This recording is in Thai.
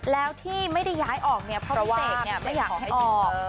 แล้วที่ไม่ได้ย้ายออกเนี่ยเพราะพี่เสกไม่อยากให้ออก